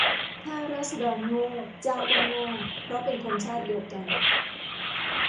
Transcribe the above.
ถ้าราษฎรโง่ เจ้าก็โง่ เพราะเป็นคนชาติเดียวกัน